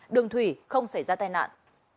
đường thủy không xảy ra tai nạn